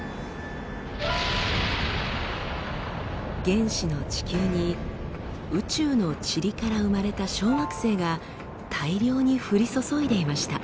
原始の地球に宇宙のチリから生まれた小惑星が大量に降り注いでいました。